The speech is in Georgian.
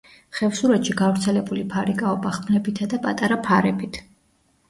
ხევსურეთში გავრცელებული ფარიკაობა ხმლებითა და პატარა ფარებით.